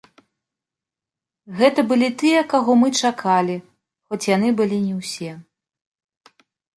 Гэта былі тыя, каго мы чакалі, хоць яны былі не ўсе.